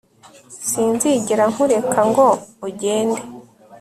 Sinzigera nkureka ngo ugende